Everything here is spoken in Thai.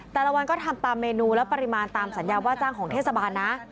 แต่ละวันก็ทำตามเมนูและปริมาณตามสัญญาว่าจ้างของเทศบาลนะ